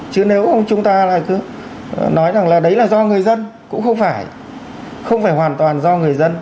chứ nếu chúng ta lại cứ nói rằng là đấy là do người dân cũng không phải không phải hoàn toàn do người dân